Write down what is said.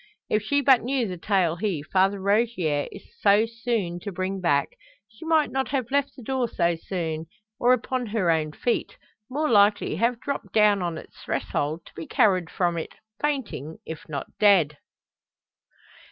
If she but knew the tale he, Father Rogier, is so soon to bring back, she might not have left the door so soon, or upon her own feet; more likely have dropped down on its threshold, to be carried from it fainting, if not dead!